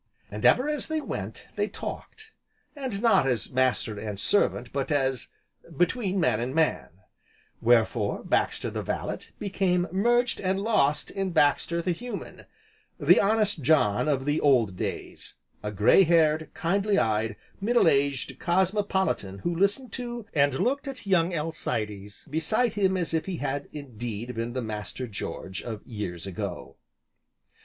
And, ever as they went, they talked. And not as master and servant but as "between man and man," wherefore Baxter the Valet became merged and lost in Baxter the Human, the honest John of the old days, a gray haired, kindly eyed, middle aged cosmopolitan who listened to, and looked at, Young Alcides beside him as if he had indeed been the Master George, of years ago.